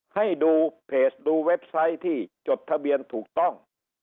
ให้ดูเพจดูเว็บไซต์ที่จดทะเบียนถูกต้อง